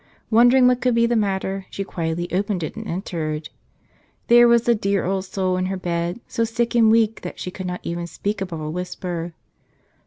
Wondering what could be the matter, she quietly opened it and entered. There was the dear old soul in her bed, so sick and weak that she could not even speak above a whisper.